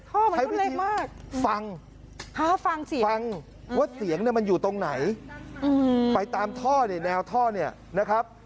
ท่อมันต้นเล็กมากฟังฟังว่าเสียงมันอยู่ตรงไหนไปตามท่อเนี่ยแนวท่อเนี่ยนะครับ